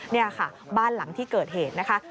นี่ค่ะบ้านหลังที่เกิดเหตุนะคะ